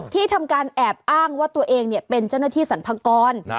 ที่ทำการแอบอ้างว่าตัวเองเป็นเจ้าหน้าที่สรรพากร